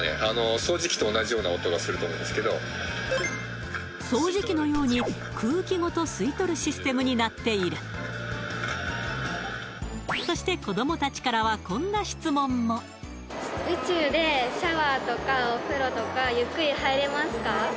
掃除機と同じような音がすると思うんですけど掃除機のように空気ごと吸い取るシステムになっているそして子ども達からは宇宙でシャワーとかお風呂とかゆっくり入れますか？